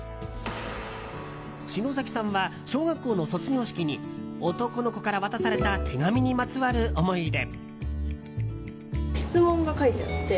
篠崎さんは小学校の卒業式に男の子から渡された手紙にまつわる思い出。